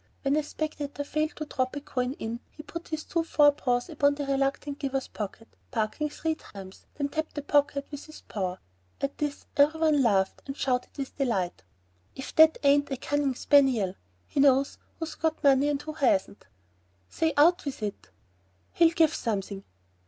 When a spectator failed to drop a coin in, he put his two fore paws upon the reluctant giver's pocket, barked three times, then tapped the pocket with his paw. At this every one laughed and shouted with delight. "If that ain't a cunning spaniel! He knows who's got money and who hasn't!" "Say, out with it!" "He'll give something!"